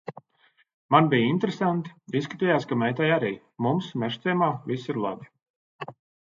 Man bija interesanti, izskatījās, ka meitai arī. Mums Mežciemā viss ir labi.